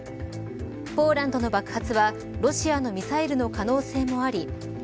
ポーランドの爆発はロシアのミサイルの可能性もありＮＡＴＯ